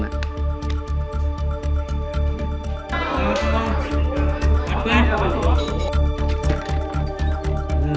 หลับมา